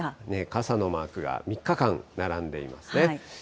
傘のマークが３日間並んでいますね。